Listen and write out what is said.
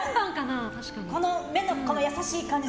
この目の優しい感じ